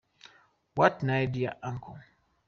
What an idea, uncle!